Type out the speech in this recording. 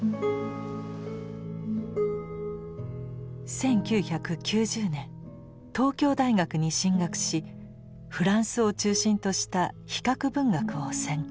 １９９０年東京大学に進学しフランスを中心とした比較文学を専攻。